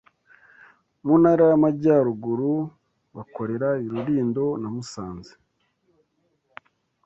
mu Ntara y’Amajyaruguru bakorera i Rulindo na Musanze